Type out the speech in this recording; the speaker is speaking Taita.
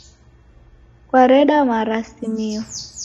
Kwareda marasimio